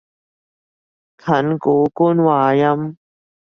近古官話音